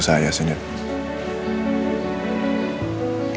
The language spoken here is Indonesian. udah dibaca nih pasti